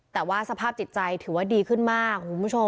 แต่ว่าสภาพจิตใจถือว่าดีขึ้นมาก